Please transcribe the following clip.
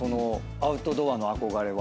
アウトドアの憧れは。